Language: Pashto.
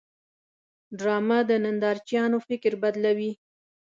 ډرامه د نندارچیانو فکر بدلوي